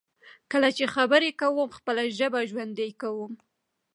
کله چې خبرې کوم، خپله ژبه ژوندی کوم.